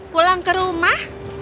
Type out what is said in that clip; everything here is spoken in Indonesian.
pulang ke rumah